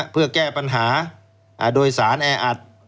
เพื่อแก้ปัญหาโดยสารแออัด